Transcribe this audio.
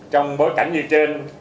trong bối cảnh như trên